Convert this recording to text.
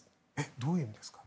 どういうことですか？